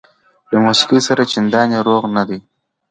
له موسقۍ سره چنديان روغ نه دي